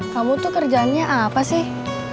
kamu tuh kerjaannya apa sih